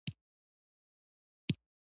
بی بي عایشه یوه عالمه وه.